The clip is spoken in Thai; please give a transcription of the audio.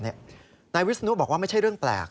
นายวิศนุบอกว่าไม่ใช่เรื่องแปลก